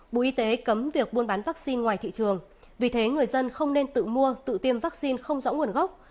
bộ y tế cấm việc buôn bán vaccine ngoài thị trường vì thế người dân không nên tự mua tự tiêm vaccine không rõ nguồn gốc